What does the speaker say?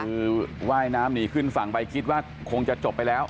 คือว่ายน้ำหนีขึ้นฝั่งไปคิดว่าคงจะจบไปแล้ว